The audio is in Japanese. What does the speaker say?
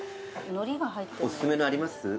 お薦めのあります？